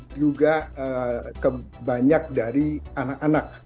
juga kebanyakan dari anak anak